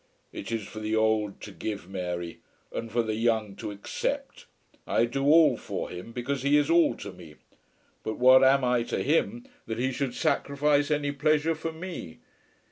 "It is for the old to give, Mary, and for the young to accept. I do all for him because he is all to me; but what am I to him, that he should sacrifice any pleasure for me?